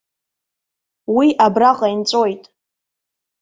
Уи абраҟа инҵәоит.